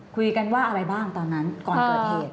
คุยกันว่าอะไรบ้างตอนนั้นก่อนเกิดเหตุ